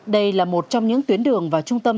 đây là một trong những tuyến đường và trung tâm